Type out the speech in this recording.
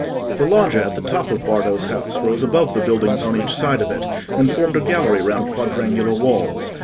The loggia at the top of Bardo's house rose above the buildings on each side of it, and formed a gallery round quadrangular walls.